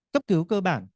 cấp cứu cơ bản